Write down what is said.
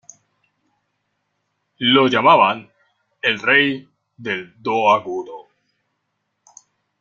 Lo llamaban ""El rey del Do agudo"".